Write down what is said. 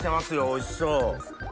おいしそう。